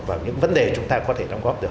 vào những vấn đề chúng ta có thể đóng góp được